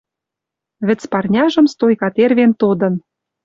Вӹц парняжым стойка тервен тодын